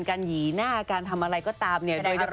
หยีหน้าการทำอะไรก็ตามเนี่ย